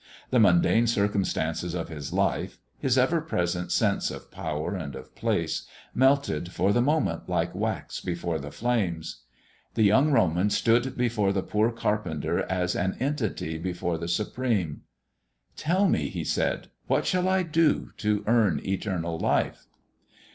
The mundane circumstances of his life his ever present sense of power and of place melted for the moment like wax before the flames. The young Roman stood before the poor carpenter as an entity before the Supreme. "Tell me," he said, "what shall I do to earn eternal life?"